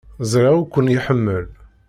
Ẓriɣ ur ken-iḥemmel.